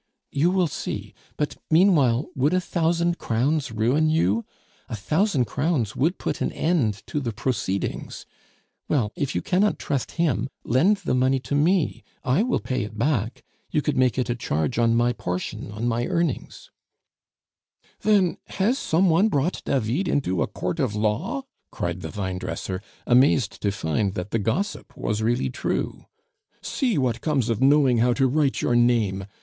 "You will see. But, meanwhile, would a thousand crowns ruin you? A thousand crowns would put an end to the proceedings. Well, if you cannot trust him, lend the money to me; I will pay it back; you could make it a charge on my portion, on my earnings " "Then has some one brought David into a court of law?" cried the vinedresser, amazed to find that the gossip was really true. "See what comes of knowing how to write your name!